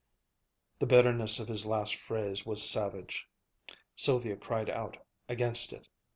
The bitterness of his last phrase was savage. Sylvia cried out against it.